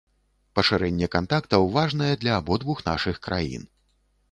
Пашырэнне кантактаў важнае для абодвух нашых краін.